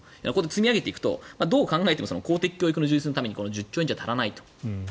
積み上げていくと、どう考えても公的教育の充実のために１０兆円じゃ足りないと。